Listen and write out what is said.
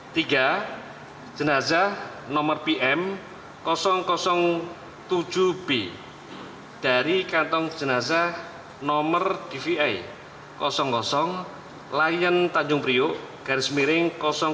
tiga jenazah nomor pm tujuh b dari kantong jenazah nomor dvi lion tanjung priuk garis miring dua